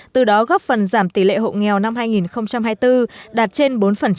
từ đó góp phần giảm tỷ lệ hộ nghèo năm hai nghìn hai mươi bốn đạt trên bốn